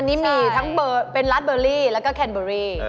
อันนี้มีทั้งเป็นรัฐเบอร์รี่แล้วก็แคนเบอรี่